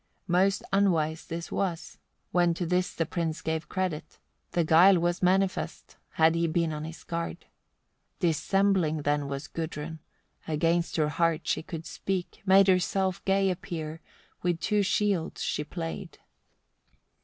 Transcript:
70. Most unwise it was, when to this the prince gave credit: the guile was manifest, had he been on his guard. Dissembling then was Gudrun, against her heart she could speak, made herself gay appear, with two shields she played.